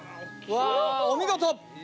うわーお見事！